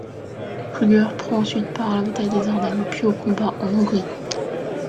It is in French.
Krüger prend ensuite part à la bataille des Ardennes, puis aux combats en Hongrie.